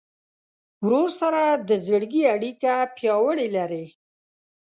ورور سره د زړګي اړیکه پیاوړې لرې.